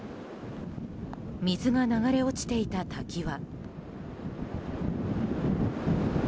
水が流れ落ちていた滝は。